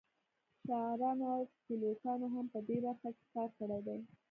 شاعرانو او پیلوټانو هم په دې برخه کې کار کړی دی